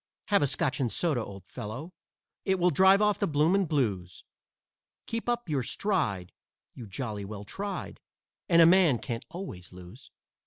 Have a Scotch and soda, old fellow It will drive off the blooming blues; Keep up your stride, you jolly well tried, And a man can't always lose."